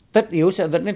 tất yếu sẽ dẫn đến